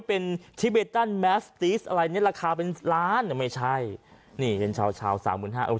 เป็นอะไรเนี้ยราคาเป็นล้านไม่ใช่นี่เป็นชาวชาวสามหมื่นห้าโอ้ย